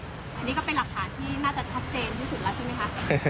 อันนี้ก็เป็นหลักฐานที่น่าจะชัดเจนที่สุดแล้วใช่ไหมคะ